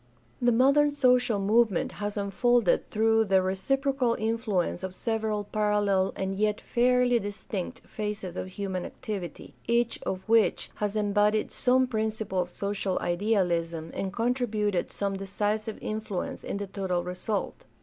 The modern social movement has unfolded through the reciprocal influence of several parallel and yet fairly distinct phases of human activity, each of which has embodied some principle of social idealism and contributed some decisive influence to the total result.